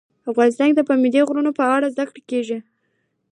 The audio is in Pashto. افغانستان کې د پابندي غرونو په اړه زده کړه کېږي.